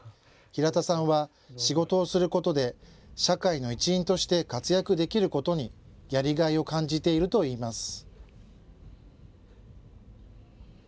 平田さんは仕事をすることで社会の一員として活躍できることにやりがいを感じているといいます。